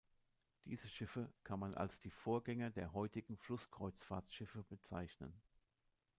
Diese Schiffe kann man als die Vorgänger der heutigen Flusskreuzfahrtschiffe bezeichnen.